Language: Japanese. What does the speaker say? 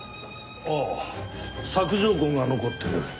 ああ索条痕が残ってる。